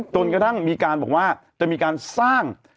จนกระทั่งมีการบอกว่าจะมีการสร้าง